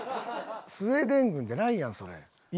スウェーデン軍じゃないやんそれ。